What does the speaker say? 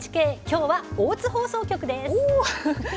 きょうは大津放送局です。